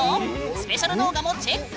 スペシャル動画もチェック！